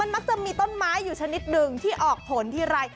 มักจะมีต้นไม้อยู่ชนิดหนึ่งที่ออกผลทีไร